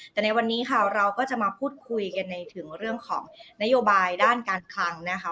แต่ในวันนี้ค่ะเราก็จะมาพูดคุยกันในถึงเรื่องของนโยบายด้านการคลังนะคะ